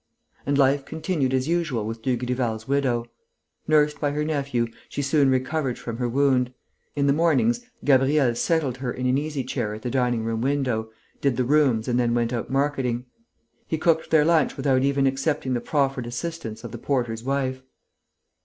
And life continued as usual with Dugrival's widow. Nursed by her nephew, she soon recovered from her wound. In the mornings, Gabriel settled her in an easy chair at the dining room window, did the rooms and then went out marketing. He cooked their lunch without even accepting the proffered assistance of the porter's wife.